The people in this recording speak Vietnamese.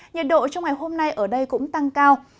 nhiệt độ trong ngày hôm nay ở đây cũng tăng cao